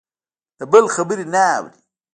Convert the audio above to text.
د بل خبرې نه اوري.